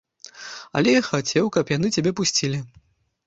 Але я хацеў, каб яны цябе пусцілі.